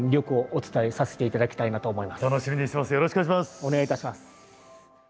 お願いいたします。